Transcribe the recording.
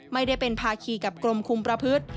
ไม่ได้เป็นภาคีกับกรมคุมประพฤติ